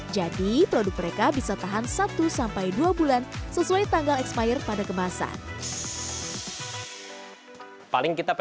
jadi produk mereka bisa tahan satu dua bulan sesuai tanggal ekspire pada kemasan